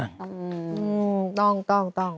อืมต้อง